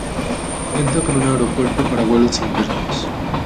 Cuenta con un aeropuerto para vuelos internos.